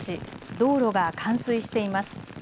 道路が冠水しています。